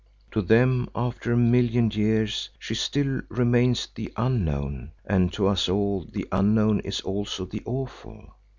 To them after a million years she still remains the Unknown and to us all the Unknown is also the awful.